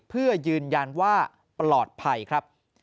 เพื่อยืนยันว่าปลอดภัยครับ